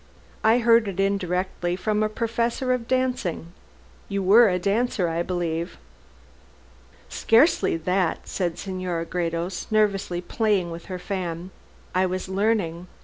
"I heard it indirectly from a professor of dancing. You were a dancer, I believe?" "Scarcely that," said Senora Gredos, nervously playing with her fan; "I was learning.